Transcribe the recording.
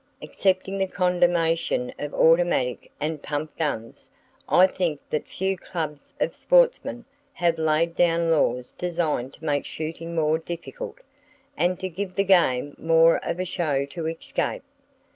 Excepting the condemnation of automatic and pump guns, I think that few clubs of sportsmen have laid down laws designed to make shooting more difficult, and to give the game more of a show to escape.